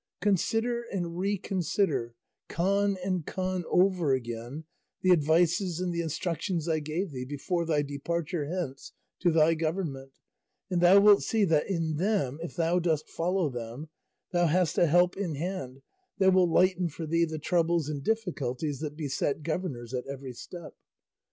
Consider and reconsider, con and con over again the advices and the instructions I gave thee before thy departure hence to thy government, and thou wilt see that in them, if thou dost follow them, thou hast a help at hand that will lighten for thee the troubles and difficulties that beset governors at every step.